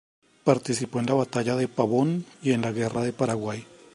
Participó en la batalla de Pavón y en la Guerra del Paraguay.